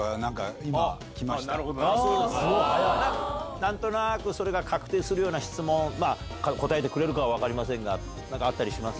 何となくそれが確定するような質問答えてくれるかは分かりませんがあったりします？